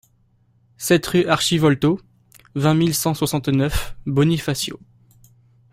sept rue Archivolto, vingt mille cent soixante-neuf Bonifacio